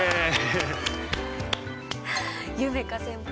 夢叶先輩